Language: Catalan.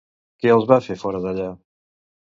Qui els va fer fora d'allà?